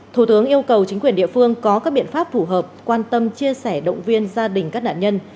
thủ tướng yêu cầu chính quyền địa phương có các biện pháp phù hợp quan tâm chia sẻ động viên gia đình các nạn nhân